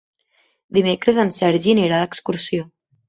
Dimecres en Sergi anirà d'excursió.